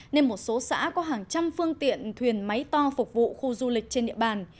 nên một số xã có hàng trăm phương tiện thuyền máy to phục vụ khu du lịch trên địa bàn